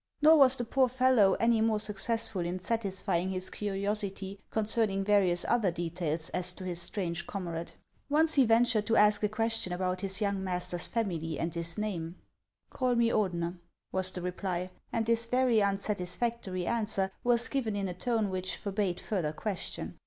Nor was the poor fellow any more successful in satisfying his curiosity concerning various other details as to his strange comrade. Once he ventured to ask a question about his young master's 14 210 HAAS'S OF ICELAND. family and his name. " Call rue Ordener," was the reply ; and this very unsatisfactory answer was given in a tone which forbade further question.